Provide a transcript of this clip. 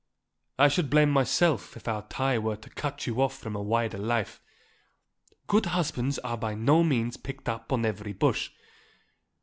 I should blame myself if our tie were to cut you off from a wider life. Good husbands are by no means picked up on every bush.